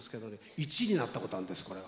１位になったことあるんですこれが。